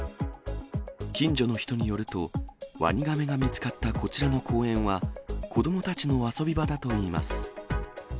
近所の人によると、ワニガメが見つかったこちらの公園は、子どもたちの遊び場だといいます。